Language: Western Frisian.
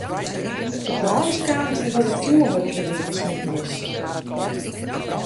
De brân is kaam trochdat der fjurwurk yn de winkel smiten is.